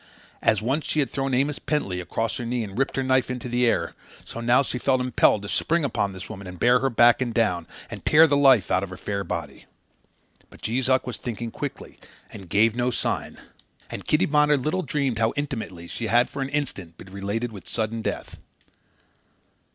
As once she had thrown Amos Pentley across her knee and ripped her knife into the air, so now she felt impelled to spring upon this woman and bear her back and down, and tear the life out of her fair body. But Jees Uck was thinking quickly and gave no sign, and Kitty Bonner little dreamed how intimately she had for an instant been related with sudden death.